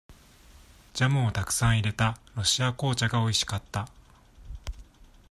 ジャムをたくさん入れた、ロシア紅茶がおいしかった。